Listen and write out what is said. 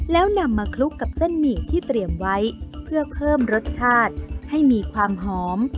แล้วนำมาคลุกกับเส้นหมี่ที่เตรียมไว้เพื่อเพิ่มรสชาติให้มีความหอม